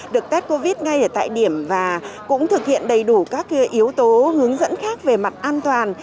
được test covid ngay ở tại điểm và cũng thực hiện đầy đủ các yếu tố hướng dẫn khác về mặt an toàn